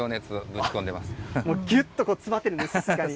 もうぎゅっと詰まってるんですね。